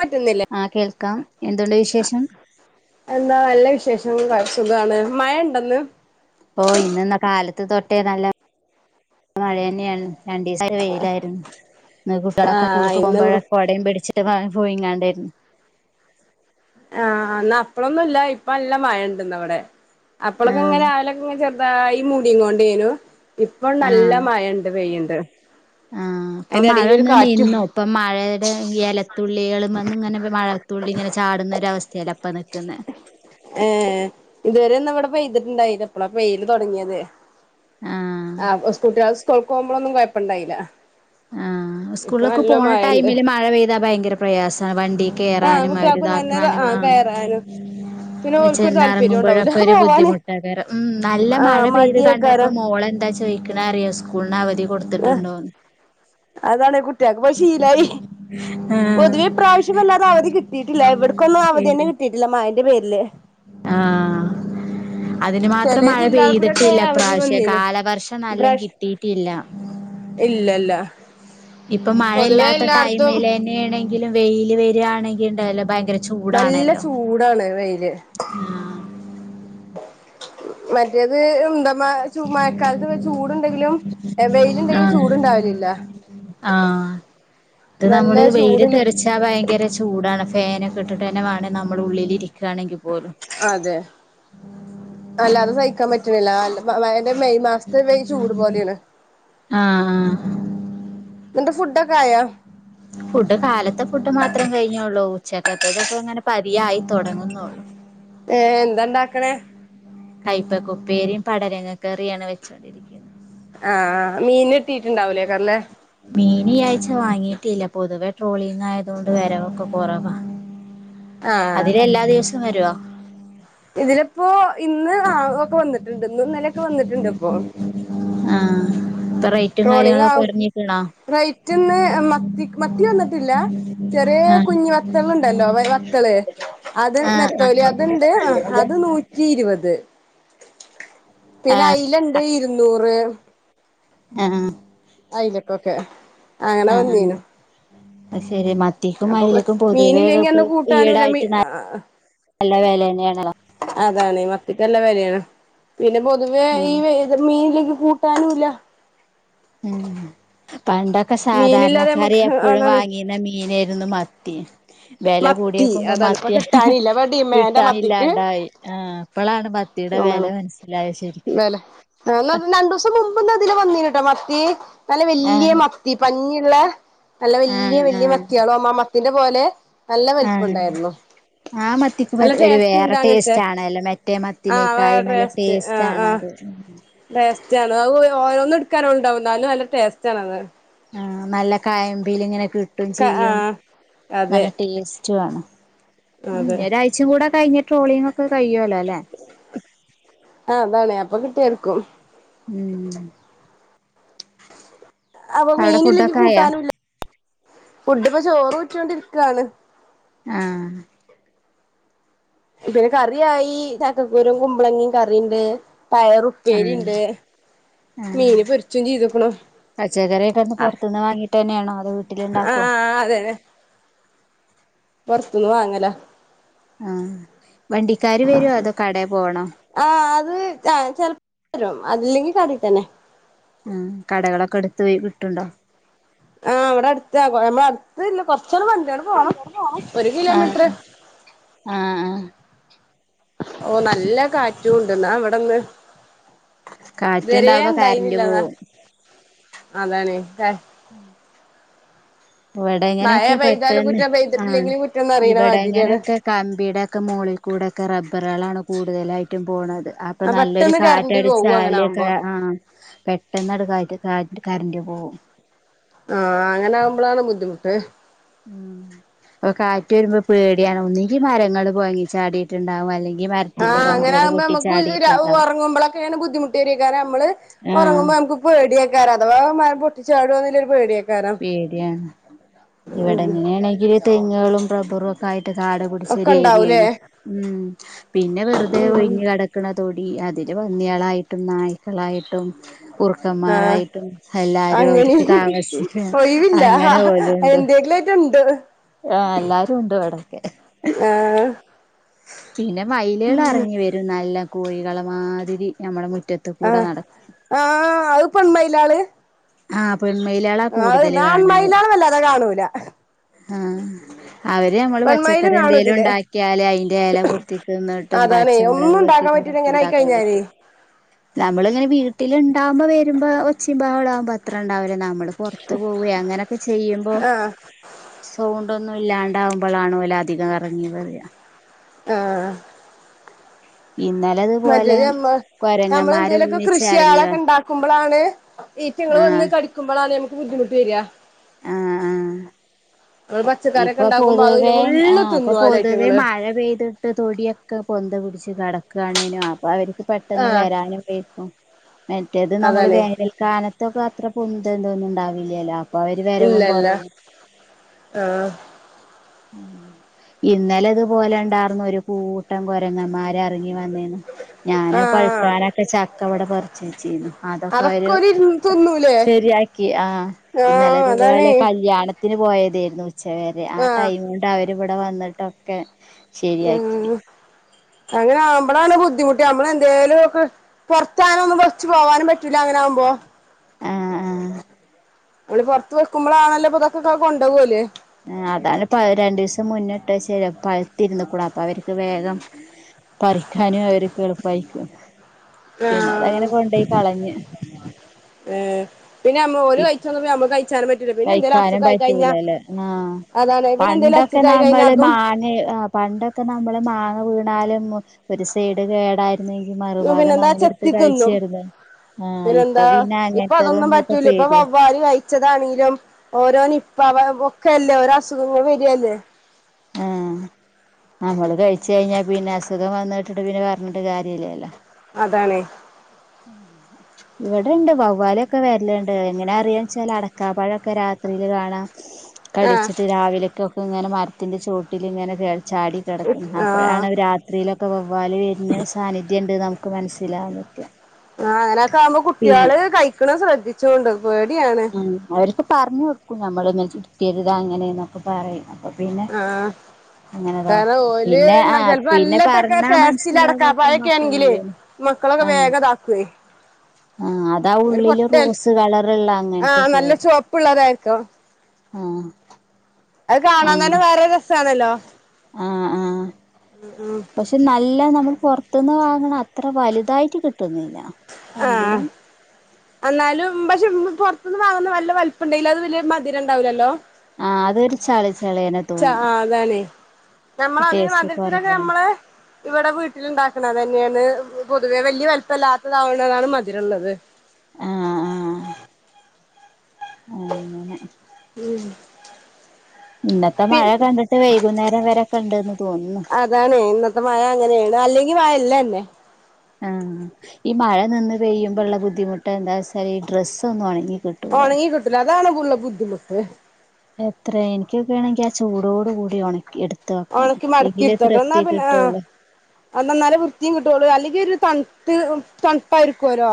പറ്റുന്നില്ലേ ആഹ് കേൾക്കാം എന്തുണ്ട് വിശേഷം? എന്താ നല്ല വിശേഷം. കൊ സുഖാണ് മഴ ഒണ്ടിന്ന്? ഓ ഇന്നന്ന് കാലത്ത് തൊട്ടേ നല്ല [inaudible] മഴ തന്നെയാണ്. രണ്ടീസായിട്ട് വെയിലായിരുന്നു. ഇന്ന് കുട്ടികളൊക്കെ ആഹ് കൂൾക്ക് ഇന്ന് പോകുമ്പഴേ കൊ ടെം പിടിച്ചിട്ട് വാപോയിങ്ങാണ്ടയ്രുന്നു. ആഹ് എന്നപ്പളൊന്നുമില്ല ഇപ്പ നല്ല മഴയുണ്ട്ന്നവിടെ അപ്പളൊക്കെ ആഹ് ഇങ്ങനെ ആവല [unintelligible] ചെറുതായി മൂടികൊണ്ടേയ്നു ഇപ്പൊ നല്ല ആഹ് മഴണ്ട് പെയ്യ്ണ്ട്. ആഹ് ഇപ്പൊ അയിന്റെ എടേല് ഒരു മഴഴൊന്ന് കാറ്റും നിന്നു. ഇപ്പം മഴയ്ടെ എലത്തുള്ളികള്മന്ന്ങ്ങനെ വെ മഴത്തുള്ളി ഇങ്ങനെ ചാടുന്ന ഒരവസ്ഥേല ഇപ്പ നി ക്കുന്നെ ഏഹ് ഇതുവരെ ഇന്ന് ഇവിടെ പെയ്തിട്ടുണ്ടായില്ല. ഇപ്പളാ പെയ്യൽ തൊടങ്ങിയത്. ആഹ് സ്കൂട്ടിയാള് സ്‌ക്കൂൾക്കോകുമ്പളൊന്നും കൊഴപ്പണ്ടായില്ല. ആഹ് ഇപ്പൊ സ്കൂള്ക്ക് നല്ല പോണ മഴണ്ട് ടൈമില് മഴ പെയ്താ ഭയങ്കര പ്രയാസാ വണ്ടീ ആഹ് കേറാനും കുട്ടികൾക്കും തന്നെ അവരിതാക്കാനും ആഹ് കയറാനും പിന്നെ ഓൽക്കൊരു താല്പര്യം ഉണ്ടാവൂല വെച്ച്ഞ്ഞാറന്നുറങ്ങുമ്പോഴൊക്കെ ഒരു പോവാന് ബുദ്ധിമുട്ടയ്ക്കാരം. ഉം നല്ല മഴ ആഹ് പെയ്ത് കണ്ടപ്പോ മടിയേക്കാരം മോളെന്താ ചോയി ക്ലാരിയോ സ്കൂൾന് അവധി കൊടുത്തിട്ടുണ്ടോന്ന് അതാണ് കു [unintelligible] പൊതുവെ ആഹ് ഇപ്രാവശ്യം വല്ലാതെ അവധി കിട്ടിയിട്ടില്ല ഇവിടക്കൊന്നും ഏ അവധിന്നെ കിട്ടിയിട്ടില്ല മഴന്റെ പേരില് ആഹ് അതിന് മാത്രം ചെലേ മഴ ജില്ലകൾ കൂടൊക്കെ പെയ്തിട്ടില്ല അവധി ഇപ്പ്രാവിശ്യം വന്നീനു കാലവർഷം നല്ലെങ്കി ഇപ്രാവശ്യം ട്ടീട്ടില്ല ഇല്ലല്ല ഇപ്പൊ പൊതുവെ മഴയില്ലാത്ത എല്ലായിടത്തും ടൈമിലെന്നേണെങ്കിലും വെയില് വരാണെങ്കി ഇണ്ടല്ലോ ഭയങ്കര ചൂ നല്ല ചൂടാണ് വെയില് മറ്റേത് ഇണ്ടമ്മ ചൂ മഴക്കാലത്ത് പി ചൂടുണ്ടെങ്കിലും എ വെയിലുണ്ടെങ്കി ആഹ് ചൂട്ണ്ടാവലില്ല. ആഹ് ഇത് നമ്മള് വെയില് ചൂടില് തെറിച്ചാ ഭയങ്കര ചൂ ടാണ് ഫാനൊക്കെ ഇട്ട്ട്ടെന്നെ വാണെ നമ്മൾ ഉള്ളിലിരിക്കാണെങ്കി പോലും. അതെ അല്ലാതെ സഹിക്കാൻ പറ്റ റ്റ്ണില്ല അല്ല മ മഴൻ്റെ മെയ് മാസത്തെ വെയ് ചൂട് പോലെയാണ്. ആഹ് നിൻ്റെ ഫുഡ്ഡൊക്ക ആയോ ഫുഡ് കാലത്തെ ഫുഡ് മാത്രം കഴിഞ്ഞെയുള്ളൂ. ഉച്ചക്കത്തതൊക്ക്ങ്ങനെ പതിയെ ആയി തൊടങ്ങുന്നു ഏഹ് എന്തണ്ടാക്കണേ കൈപ്പ കുപ്പേരിയും പടരങ്ങ കറിയാണ് വെ സഘരിക്കുന്നു ആഹ് ആഹ് മീൻ കിട്ടീട്ടുണ്ടാവല്ലേ കരണേ മീൻ ഈ ആഴ്ച വാങ്ങീട്ടില്ല പൊതുവെ ട്രോളിങ്ങ് ആയത് കൊണ്ട് വരവൊക്കെ കുറവാ ആ അതിലേ എല്ലാ ദിവസവും വരുവോ ഇതിലിപ്പോ ഇന്ന് ആ ആള ഒക്കെ വന്നിട്ടുണ്ട് ഇന്ന് ഇന്നലൊക്കെ വന്നിട്ടുണ്ട് ഇപ്പോ ആഹ് പ്പൊ റെയ്റ്റും ട്രോളിങ് കാര്യങ്ങളൊക്കെ ആവും ഒര്ങ്ങിക്ക്ണൊ? റൈറ്റ് ന്ന് മത്തിക്ക് മത്തി വന്നിട്ടില്ലാ. ചെറിയ ആഹ് കുഞ്ഞഞ് വെത്തള്ണ്ടല്ലൊ വെ വ.... ത്തള് അത് ആഹ് നത്തോലി ആഹ് അത്ണ്ട്. ആഹ് അത് നൂറ്റി ഇരുപത്. പിന്നെ അയ്ലണ്ട് ഇരുന്നൂറ്. ആഹ് അയ്ലക്കൊക്കെ. ആഹ് ആഹ് അയ് ശരി. മ.... ത്തിക്കും, അപ്പൊ അയ്‌ലക്കും പൊതുവേ മീനില്ലെങ്കി ഇപ്പൊ അന്ന് കൂട്ടാനുല്ല മീ ഈടായിട്ട് ന നല്ല വെലേന്നാണലെ. അതാണ്. മത്തിക്കല്ലെ വെലേണ്. പിന്നെ പൊതുവെ ഈ ആഹ് വേ.... മീൻല്ലെങ്കി കൂട്ടാനുംല്ല. ഉം. പണ്ടൊക്കെ മീനില്ലാതെ സാധാരണക്കാര് നമുക്ക് എപ്പോഴും അതാണ് വാങ്ങീന്ന മീനായിര്ന്നു മ... ത്തി. വെല മത്തി കൂടിയക്കുമ്പൊ അതാണ് ഇപ്പൊ മത്തിയാ കിട്ടാനില്ല ഇപ്പൊ ഡിമാൻഡാ മത്തിക്ക് കിട്ടാനില്ലാണ്ടായി. ആഹ് ഇപ്പളാണ് മത്തീടെ വെല തോന്നാണ് മൻസ്സിലായത് ശരിക്കും. [unintelligible] രണ്ടൂസം മുമ്പ് ന്നാ ഇതിലെ വന്ന്ണ്ട് ട്ടൊ മത്തി. നല്ല വെല്ല്യ ആഹ് മ... ത്തി. പഞ്ഞിള്ളെ നല്ല വെല്ല്യെ ആഹ് വെല്ല്യെ ആഹ് മത്തിയാളാമ്പം ആ മത്തിന്റെ പോലെ നല്ല വെൽപ്പം ആഹ് ണ്ടായിര്ന്നു. ആ മത്തിക്ക് വെ ഒര് വേറെ അങ്ങനത്തെ ടേസ്റ്റാ ണല്ലെ മറ്റേ ആഹ് വേറെ മത്തിനേക്കാളും നല്ല ടേസ്റ്റ് ആഹ് ആഹ് ടേസ്റ്റാണത്. ഉം ടേസ്റ്റാണ്. അത് ഒ ഒ ഒന്ന്ട് ക്കാന് ണ്ടാവും ന്നാലും നല്ല ടേസ്റ്റാണത്. ആഹ് നല്ല കയമ്പ് ല്ങ്ങനെ കിട്ടും ക ചെയ്യും. ആഹ് അതെ നല്ല ടേസ്.... റ്റു ആണ്. ഉം അതെ ഒരാഴ്ച്ചും കൂടെ കഴിഞ്ഞ് ട്രോളിങ്ങൊക്കെ കഴിയുവല്ലൊ അല്ലെ? ആഹ് അതാണ്. അപ്പ കിട്ടുവായിരിക്കും. ഉം അപ്പൊ അവിടെ മീനില്ലെങ്കി ഫുഡൊക്കെ ആയാ കൂട്ടാനുല്ല. ഫുഡ് പ്പൊ ചോറ് ഊറ്റ്യോണ്ടിരിക്കാണ്. ആഹ് ഇത് കറിയായി. ചക്കക്കുരും, കുമ്പളങ്ങിം കറിണ്ട്. പയറു... ഉം പ്പേരിണ്ട്, മീന് പൊര്ച്ചും ചെയ്ത് ക്ക്ണ്. പച്ചക്കറിയൊക്കെ അവ്ട്ന്ന് പൊർത്ത്ന്ന വാങ്ങിട്ടന്നാണൊ അതെ വീട്ട്‌ല്ണ്ടാ ആഹ് ആഹ് അതെ. വാങ്ങല ആഹ്. വണ്ടിക്കാര് വരൊ അതൊ കടേ പോണൊ? ആഹ് അത് ആഹ് ചെൽ വരും. അതില്ലെങ്കി കടേ തന്നെ. ഉം. കടകളൊക്കെ അട്ത്ത് പൊയി വിട്ട് ണ്ടൊ? ആഹ് ഇവടെ അട്ത്താ കൊ മ്മളെ അട്ത്ത്ല്ല കൊച്ചൊന്ന് മണ്ട്യാ ണ്ട് പോണം. ഒരു ആഹ് കിലോമീറ്ററ് ആഹ് ആഹ് ഓഹ് നല്ല കാറ്റുണ്ട്. ന്നാ വടൊന്ന് ത് വരേ കാറ്റുണ്ടാവുമ്പോ കറന്റ് ണ്ടായിരുന്നില്ല അതാ. പോവും അതാണ് കാ... ഉം ഇവടെ മഴ ഇങ്ങനൊക്കെ പെയ്താലും പെട്ടെന്ന് കുറ്റം ആഹ്. പെയ്തിട്ടില്ലെങ്കിലും കുറ്റംന്ന് അറിയണ ഇവടെ മാതിരിയാണ് ഇങ്ങനൊക്കെ കമ്പിയുടേക്കെ മോളിൽ കൂടെക്കെ റബ്ബറാളാണ് കൂട്തലായിട്ടും പോണന്നത്. അ... അപ്പൊ ആ നല്ലൊരു പെട്ടെന്ന് കറന്റ് കാറ്റടിച്ചാ പോകും അയ് അങ്ങനെ ലേക്കാ ആകുമ്പോ ഏഹ് ആഹ് പെട്ടെന്നവ്ടെ കാറ്റ് കാറ്റ് കാർൻ്റ് പോവും. ആഹ് അങ്ങനെ ആവ്മ്പളാണ് ബുദ്ധിമുട്ട്. ഉം പ്പൊ കാറ്റ് വര്മ്പൊ പേടിയാണ്. ഒന്ന്ങ്കി മരങ്ങള് കൊയങ്ങി ചാടി ട്ടണ്ടാവും. അല്ലെങ്കി മ... ആഹ് അങ്ങനെയാവ്മ്പം അമ്മക്ക് ഹ് ഹ് രാ ഓർങ്ങുമ്പൊളെക്കെ ങ്ങനെ ബുദ്ധിമുട്ട് വെരേക്കാരം. അമ്മള് ആഹ് ഓർങ്ങുമ്പൊ അമ്ക്ക് പേടിയാക്കാരം അഥവാ മഴ പൊട്ടിച്ചാടോ ന്ന്ല്ല ഒരു പേടിയാക്കാരം പേടിയാണ്. ഇവിടെങ്ങനെയാണെങ്കില് തെങ്ങുകളും റബ്ബറും ക്കായിട്ട് കാട്പടിച്ച ഒക്കെ ഒരു ഇണ്ടാവൂലേ ഏരിയേണ് ഉം പിന്നെ വെറുതേ ഉം ഒഴിഞ്ഞ് കെടക്കണതൊടി അതില് പന്നികളായിട്ടും നായ്ക്കളായിട്ടും ആഹ് കുർക്കന്മാരായിട്ടും എല്ലാരും അവർക്ക് താമസി ഒയിവില്ല എന്തേക്കിലായിറ്റുണ്ട് ആഹ് എല്ലാരും ഉണ്ട് ഇവിടൊക്കെ ആഹ് പിന്നെ മയില്കൾ ഇറങ്ങി വരും നല്ല കോഴികളെ മാതിരി നമ്മുടെ മുറ്റത്ത് കൂടെ ആഹ് നടക്കും ആഹ് അത് പെൺമയിലാള് ആഹ് പെണ്മയിലാളാ കൂടുതൽ കാണാറ് ആൺമയിലാണ് വല്ലാതെ കാണൂല ആഹ് അവര് നമ്മള് പെൺമയിലും പച്ചക്കറി എന്തേലും കാണുതില് ഉണ്ടാക്കിയാല് അയ്ന്റെ എല കൊത്തി തിന്ന്ട്ടും പച്ചമുളക് കൊത്തി [unintelligible] തിന്നിട്ടും ഇങ്ങന ഉണ്ടാക്കാൻ ആയിക്കഴിഞ്ഞാല് പറ്റും നമ്മളിങ്ങനെ വീട്ടില് ഇണ്ടാവുമ്പോ വരുമ്പോ ഒച്ചിം ബഹളാവുമ്പോ അത്ര ഉണ്ടാവില്ല നമ്മള് പൊർ ത്ത് പോവേ അങ്ങനൊക്കെ ചെയ്യുമ്പോ ആഹ് സൗണ്ട് ഒന്നും ഇല്ലാണ്ടാവുമ്പളാണ് ഓല് അധികം കറങ്ങി വര ആഹ് ഇന്നലെ ഇതുപോലെ മറ്റേത് നമ്മ കൊരങ്ങന്മാര് നമ്മളെന്തേലൊക്കെ ഒന്നിച്ച് ഇറങ്ങി വ കൃഷിയാളൊക്കെ ഉണ്ടാക്കുമ്പളാണ് ഈറ്റങ്ങൾ വന്ന് ആഹ് കട്ക്കുമ്പളാണ് ഞമക്ക് ബുദ്ധിമുട്ട് വര ആഹ് ആഹ് ആ ഇപ്പൊ പൊതുവേ ആ ഇപ്പൊ തിന്നും ഓലെ പൊതുവെ ഐറ്റങ്ങള് മഴ പെയ്തിട്ട് തൊടിയ ക്കെ പൊന്ത പിടിച്ച് കടക്കാണേനും പ്പ അവർക്ക് പെട്ടെന്ന് ആഹ് വരാനും വെയ്ക്കും മറ്റേത് നമ്മള് അതാണേ വേനൽ കാനത്തൊക്കെ അത്ര പൊന്ത എന്തോന്നും ഉണ്ടാവില്ലല്ലോ അപ്പൊ അവര് വരവും ഇല്ലല്ല കൊറയും ആഹ് ഇന്നലെ ഇതുപോലെ ഉണ്ടാർന്നു ഒരു കൂട്ടം കൊരങ്ങന്മാര് ഇറങ്ങി വന്നേന്ന് ഞാന് ആഹ് പഴുക്കാനൊക്കെ ചക്ക ഇവടെ പർച്ച് വെച്ചീന്നു അതൊക്കെ അവര് ഓല് തിന്നൂലേ ശരിയാക്കി ആ ആഹ് ഇന്നലതുപോലെ അതാണേ കല്യാണ ത്തിന് പോയതായിരുന്നു ഉച്ച വരെ ആ ആഹ് ടൈം കൊണ്ട് അവരിവിടെ വന്നിട്ടൊക്കെ ശരിയാക്കി ഉം അങ്ങനെ ആവുമ്പളാണ് ബുദ്ധിമുട്ട് നമ്മള് എന്തേലും ഒക്കെ പൊർത്താനും ഒന്നും വെച്ച് പോവാനും പറ്റൂല്ല അങ്ങനൊവുമ്പോ ആഹ് ആഹ് മ്മള് പൊർത്ത് വെക്ക്മ്പളാണല്ലൊ പതൊക്കൊക്കെ കൊണ്ടോ കോല്ല് ആ അതാണ് പ രണ്ടു ദിവസം മുന്നട്ട് ശരി പഴുത്തിര്ണ്ട്ക്ണ് അപ്പൊ അവർക്ക് വേഗം പറിക്കാനും അവര്ക്ക് എളുപ്പായിരിക്കും പിന്നെ അത ആഹ് അങ്ങനെ കൊണ്ടോയി കളഞ്ഞ് ഏഹ് പിന്നെ നമ്മ ഓല് കഴിച്ചാതെ നമ്മക്ക് കഴിച്ചാനും പറ്റ കഴിക്കാനും പറ്റൂലല്ലേ ആഹ് അതാണ് പിന്നെ എന്തേലും പണ്ടൊക്കെ അസുഖായി കഴിഞ്ഞാ നമ്മള് അതും മാന് പണ്ടൊ ക്കെ നമ്മള് മാങ്ങ വീണാലും ഒരു സൈഡ് കേട [unintelligible] മറുഭാഗം പിന്നെന്താ നമ്മളെടുത്ത് ചെത്തി തിന്നും കഴിച്ചേരുന്ന പിന്നെന്താ ഇപ്പൊ അതൊന്നും പറ്റൂല ഇപ്പൊ പേടിയാ വവ്വാര് കഴി ച്ചതാണെങ്കിലും ഓരോ നിപ്പ അവ ഒക്കെ അല്ലേ ഓരോ അസുഖങ്ങൾ വരല്ലേ ആഹ് നമ്മള് കഴിച്ച് കഴിഞ്ഞാ പിന്നെ അസുഖം വന്നിട്ടിട്ട് പിന്നെ പറഞ്ഞിട്ട് കാര്യംല്ലല്ലോ അതാണേ ഇവിടെ ണ്ട്. വവ്വാല ക്കെ വര്ലുണ്ട്. എങ്ങനാ അറിയാ വെച്ചാൽ അടക്കാ പഴൊക്കെ രാത്രിയില് കാണാം. ആഹ് കടിച്ചിട്ട് രാവിലെയക്കെ ക്കെ ഇങ്ങനെ മരത്തിന്റെ ചുവട്ടില് ഇങ്ങനെ കേൾ ചാടി കിടക്കുന്നത്. ആഹ് അപ്പോഴാണ് അവര് രാ ത്രീലൊക്കെ വവ്വാല് വരുന്ന സാന്നിധ്യ ണ്ട് നമുക്ക് മനസ്സിലാവാൻ പറ്റോ. ആഹ് ങ്ങനൊക്കെ ആകുമ്പോ കുട്യാള് കഴിക്ക്ണെ ശ്രദ്ധിച്ചൊണ്ടു. പേടിയാണ്. അവര്ക് പറഞ്ഞ് കൊടുക്കും. ഞമ്മള് ഇങ്ങനെ ചുരുത്തിരുതാ അങ്ങനെ എന്നൊക്കെ പറയും. അപ്പൊ പിന്നെ ആഹ് കാരണം അങ്ങനെതാക്കും ഓല് പിന്നെ ആ ന്ന ചെപ്പോ പിന്നെ നല്ല പറഞ്ഞാ ടേസ്റ്റില്ല മനസ്സിലാവാത്ത അടക്കാപഴൊക്കെ ആണെങ്കിലെ. മക്കളില്ലേ മക്കളൊക്കെ വേഗം താക്കുവേ ആഹ്. അതാ ഉള്ളില് റോസ് കളറ്ള്ള ആഹ് അങ്ങനത്തൊക്കെ നല്ല വര ചുവപ്പുള്ളതായിരിക്കും ആഹ് അഹ് കാണാതന്നെ വേറെ രസാണല്ലോ. ഉം ഉം ക്ഷെ നല്ല നമ്മള് പൊറത്ത്ന്ന് വാങ്ങണ അത്ര വലുതായിട്ട് കിട്ടൊന്നില്ല. ആഹ് അന്നാലും പശേ പുറത്തുന്ന് വാങ്ങുന്ന വല്ല വലിപ്പം ണ്ടെങ്കിലും അത് വല്യ മധുരണ്ടാവൂല്ലല്ലോ? ആഹ് അതൊരു ചളി ചളിയേന ച ആഹ് അതാണ്. നമ്മളെ അതിന് ടേസ്റ്റ് മധുരത്തിനല്ലേ കുറവാണ് നമ്മള്. ഇവിടെ വീട്ടില് ണ്ടാക്കണതന്നെയാണ്. പൊതുവേ വലിയ വലിപ്പല്ലാത്തതാവുണതാണ് മതിരള്ളത്. ആഹ് ആഹ് അങ്ങനെ ഉം ഇന്നത്തെ മഴ കണ്ടിട്ട് വൈകുന്നേരം വരെ ക്കെ ണ്ട്ന്ന് തോന്നുന്നു. താണ്. ഇന്നത്തെ മഴ അങ്ങനെയാണ്. അല്ലെങ്കി മഴ ഇല്ലന്നെ. ആഹ് ഈ മഴ നിന്ന് പെയ്യുമ്പോ ള്ള ബുദ്ധിമുട്ട് ന്താ വെച്ചാല് ഈ ഡ്രസ്സ് ന്നും ഒണങ്ങി കി ഒണങ്ങി കിട്ടൂല. അതാണ്ള്ള ബുദ്ധിമുട്ട്. എത്ര. എനിക്കൊ ക്കെ ണെങ്കി ആ ചൂടോട് കൂടി ഉണക്കി എടു ഒണക്കി മടക്കിടുത്തക്കണം. എന്നാ പിന്നെ ആഹ് അത് ന്നാലെ വൃത്തിം കിട്ടൊള്ളൂ. അല്ലെങ്കി ഒരു തണുത്ത് തണുപ്പായിരിക്കുല്ലോ.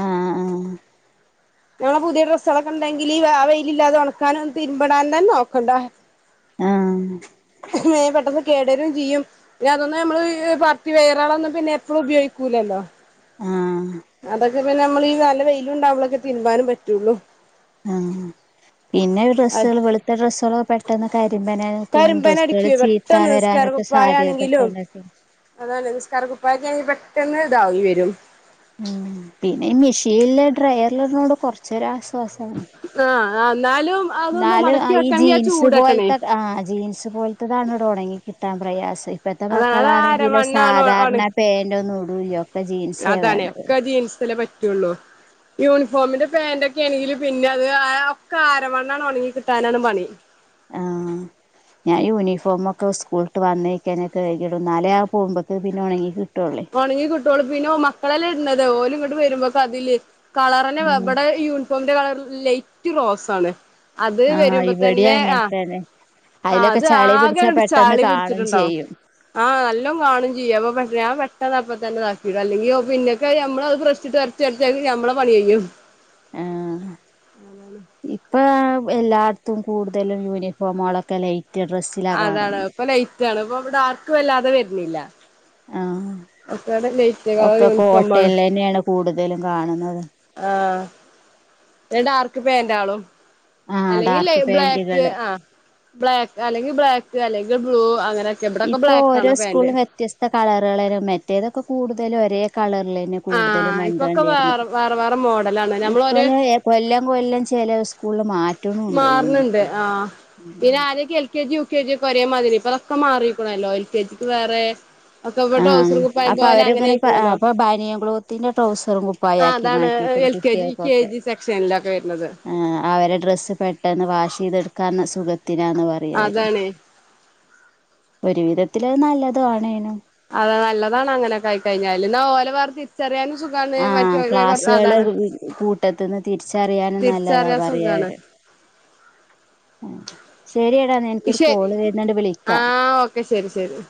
ആഹ് ആഹ് ഞങ്ങളെ പുതിയ ഡ്രസ്സുകളൊക്കെണ്ടെങ്കി ആ വെയിലില്ലാതെ ഉണക്കാനും തിരിമ്പിടാനൊന്നും തന്നെ നോക്കണ്ട. ആഹ് ആഹ് ങ്ങ്ഏ പെട്ടെന്ന്. കേടരും ചെയ്യും. പിന്നെ അതൊന്നും നമ്മള് പാർട്ടി വയറളൊന്നും പിന്നെ എപ്പോളും ഉപയോഗിക്കൂലല്ലോ. ആഹ് അതൊക്കെ പിന്നെ നമ്മളീ നല്ല വെയില്ണ്ടാവുമ്പളൊക്കെ തിരുമ്പാനും പറ്റുള്ളു. ആഹ്. പിന്നെ അത് ഡ്രസ്സുകൾ വെളുത്ത ഡ്രെസ്സുകളൊക്കെ പെട്ടെന്ന് ക്കരുമ്പന ക്കും ഡ്രസ്സുകള് കരിമ്പനടിക്കുവേ ചീത്താ പെട്ടെന്ന് വരാനൊക്കെ സാധ്യത പെട്ട ങ്ങട്ട് അതാണെ നിസ്ക്കാര കുപ്പായൊക്കെ ആണങ്കി പെട്ടെന്ന് തായി വരും. ഉം പിന്നെ ഈ മെഷീനിലെ ഡ്രയറിലുടുന്നോണ്ട് കൊറച്ചൊരു ആശ്വാസം. ആഹ് ന്നാലും. എന്നാലും ആഹ് ഈ ജീൻസ് പോലത്തൊക്കെ ആഹ് ജീൻസ് പോൽത്തെ ത്തതാണ്ട്ട്ട് ഉണങ്ങി കിട്ടാൻ പ്രയാസൈ. ഇപ്പത്തെ അതാണ് അത് മക്കളാണെങ്കിലൊ അരവണ്ണാണ് ആണ് സാധാരണ പേൻ്റൊന്നും ഇടൂല്യ. ഒ അതാണ് ഒക്കെ ജീൻസല്ലേ പറ്റുള്ളു. യൂണിഫോമിന്റെ പാൻ്റൊക്കെണെങ്കിലും പിന്നെ അത് ആഹ് ഒക്കെ അരവണ്ണം ഒണങ്ങി കിട്ടാനാണ് പണി. [inaudible] ഞാന് യൂണിഫോമൊക്കെ സ്കൂള്ട്ട് വന്നയ്ക്കനെ കഴുകിടും. ന്നാലെ അഹ് പോകുമ്പോത്തിന് ഒണങ്ങി കിട്ടൊള്ളെയ്. ഒണങ്ങി കിട്ടൊള്ളൂ. പിന്നെ ഓഹ് മക്കളല്ലേ ഇട്ണത്. ഓല് ഇങ്ങട്ട് വരുമ്പോത്തിന് അതില് കളറന്നെ വെ ഉം ഇബടെ യൂണിഫോമിന്റെ കളറ് ലൈറ്റ് റോസ് ആണ്. അത് ആഹ് വരുമ്പോ ഇവിടെയും തന്നെ അങ്ങനെ ആഹ് തന്നെ ആഹ്, അയിലൊക്കെ അത് ചളി ആകെ പിടിച്ചാ ഇങ്ങട്ട് പെട്ടെന്ന് ചളി കാണും പിടിച്ചിട്ടുണ്ടാവും. ചെയ്യും ആഹ്, നല്ലോം കാണും ചെയ്യും അപ്പൊ പെ ഞാൻ പെ ട്ടെന്ന് അപ്പതന്നെതാക്കിടും അല്ലെങ്കിൽ ഓഹ് പിന്നെക്ക് അഹ് നമ്മളത് ബ്രഷിട്ട് ഒരച്ച് ഒരച്ച് അത്‌ നമ്മളെ പണി കഴിയും. ആഹ് ഉം ഇപ്പൊ, എല്ലാട്ത്തും കൂടുതലും യൂണിഫോമുകളൊക്കെ ലൈറ്റ് ഡ്രസ്സ് അതാണ് ഇപ്പൊ ലൈറ്റ് ആണ് ഇപ്പൊ ഡാർക്ക് വല്ലാതെ വര്ണില്ല. ആഹ്, ലൈറ്റ് കളർ ഒക്കെ യൂണിഫോമാണ് കോട്ടൺലെന്നെ ആണ് കൂടുതലും കാണുന്നത്. ആഹ്. പിന്നെ ഡാർക്ക് പാന്റാളും ആഹ് അല്ലെങ്കിൽ ലൈ ഡാർക്ക് ബ്ലാക്ക് പാന്റുകള് ആഹ് ബ്ലാക്ക് അല്ലെങ്കിൽ ബ്ലാക്ക് അല്ലെങ്കിൽ ബ്ലൂ അങ്ങനെയൊക്കെ ഇബടൊക്കെ ഇപ്പൊ ബ്ലാക്ക് ഓരോ ആണ് പാന്റ്. സ്കൂളിലും വ്യത്യസ്ത കളറെളേരം മറ്റേതൊക്കെ കൂടുതലും ഒരേ കളറിലെന്നെ ആ കൂടുതലും കണ്ട് ഇപ്പൊക്കെ കണ്ടിര്ന്ന്, വേറെ വേറെ വേറെ മോഡലാണ് നമ്മളൊരു ഇപ്പോളെ ഏഹ് കൊല്ലം, കൊല്ലം ചെല സ് കൂളിൽ മാറ്റ്ണ് ഉണ്ട് മാറുന്നുണ്ട് യൂണിഫോം ആ പിന്നെ ആദ്യൊക്കെ L K G, U K G ഒക്കെ ഒരേ മാതിരി ഇപ്പ അതൊക്കെ മാറിക്ക്ണല്ലോ? എൽ കെ ജിക്ക് വേറെ ഒക്കെ ഇപ്പ ആഹ് ട്രൗസറും കുപ്പായം അപ്പൊ പോലെ അങ്ങനെ അവരിങ്ങനെ പ ആഹ് ആയിക്ക്ണല്ലോ, അപ്പൊ ബനിയൻ ക്ലോത്തിന്റെ ട്രൗസറും ആ കുപ്പായാക്കി അതാണ്എ മാറ്റിക്ക്ണ് L K G, K G സെക്ഷനിലൊക്കെ വരുന്നത്. ആ അവരെ ഡ്രസ്സ് പെട്ടെന്ന് വാഷ് ചെയ്തെടുക്കാന്ന് സുഖത്തിനാന്ന് പറയ് അവര്. അതാണ് ഒരു വിധത്തില് അത് നല്ലത് ആണേനും. അത് നല്ലതാണ് അങ്ങനെക്കെ ആയി കഴിഞ്ഞാല് ഇന്നാ ഓല വേറെ തിരിച്ചറിയാനും സുഖാണ് ആഹ്, മറ്റേ ക്ലാസ്സുകള് അതാണ് കൂട്ടത്ത്ന്ന് തിരിച്ചറിയാനും നല്ലതാ തിരിച്ചറിയാൻ പറയ് സുഖാണ് അവര്. ശരിയടാ, ഇന്ന എനിക്കൊരു ശരി കോള് വര് ന്ന്ണ്ട് ആ വിളിക്കാ. ഓക്കെ ശരി, ശരി.